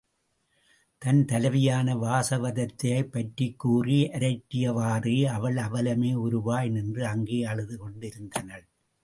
தன் தலைவியான வாசவதத்தையைப் பற்றிக்கூறி அரற்றியவாறே, அவள் அவலமே உருவாய் நின்று அங்கே அழுது கொண்டிருந்தனள்.